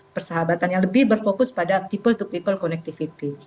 persahabatan yang lebih berfokus pada people to people connectivity